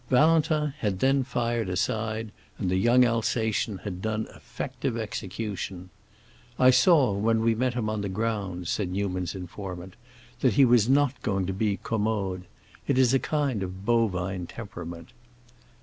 Valentin had then fired aside and the young Alsatian had done effective execution. "I saw, when we met him on the ground," said Newman's informant, "that he was not going to be commode. It is a kind of bovine temperament."